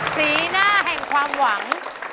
สีหน้าแห่งความหวัง